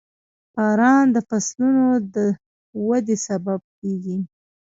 • باران د فصلونو د ودې سبب کېږي.